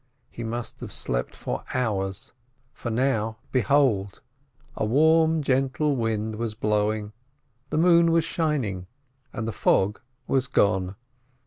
He must have slept for hours, for now, behold! a warm, gentle wind was blowing, the moon was shining, and the fog was gone.